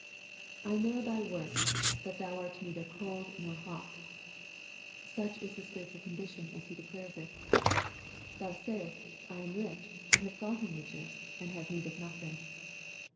" I know thy works, that thou art neither cold nor hot." Such is the spiritual condition as He declares it. " Thou sayest, I am rich, and have gotten riches, and have need of nothing."